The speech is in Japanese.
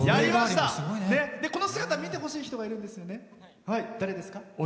この姿見てほしい人がいるんですよね？